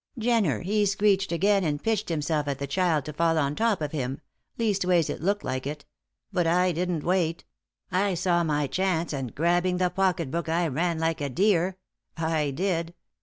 Jenner he screeched again and pitched himself at the child to fall on top of him leastways it looked like it. But I didn't wait; I saw my chance, and grabbing the pocket book I ran like a deer, I did.